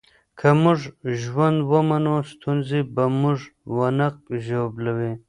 که موږ ژوند ومنو، ستونزې به موږ ونه ژوبلوي.